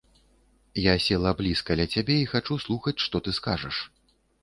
Я села блізка ля цябе і хачу слухаць, што ты скажаш.